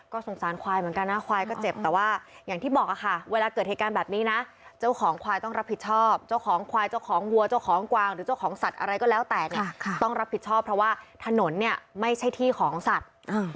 สงสารควายเหมือนกันนะควายก็เจ็บแต่ว่าอย่างที่บอกค่ะเวลาเกิดเหตุการณ์แบบนี้นะเจ้าของควายต้องรับผิดชอบเจ้าของควายเจ้าของวัวเจ้าของกวางหรือเจ้าของสัตว์อะไรก็แล้วแต่เนี่ยต้องรับผิดชอบเพราะว่าถนนเนี่ยไม่ใช่ที่ของสัตว์